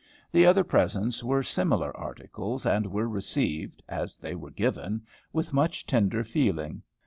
The other presents were similar articles, and were received, as they were given, with much tender feeling.